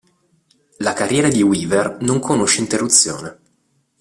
La carriera di Weaver non conosce interruzione.